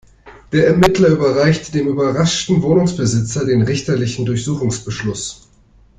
Der Ermittler überreichte dem überraschten Wohnungsbesitzer den richterlichen Durchsuchungsbeschluss.